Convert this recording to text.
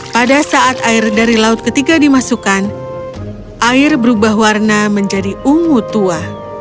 pada saat air dari laut ketiga dimasukkan air berubah warna menjadi ungu tua